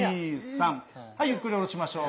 はいゆっくり下ろしましょう。